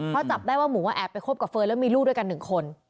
เพราะจับได้ว่าหมูแอบไปคบกับเฟิร์นแล้วมีลูกด้วยกัน๑คน